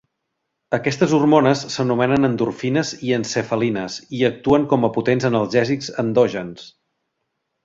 Aquestes hormones s'anomenen endorfines i encefalines i actuen com a potents analgèsics endògens.